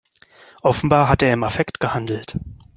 Offenbar hat er im Affekt gehandelt.